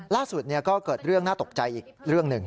ล่าสุดก็เกิดเรื่องน่าตกใจอีกเรื่องหนึ่ง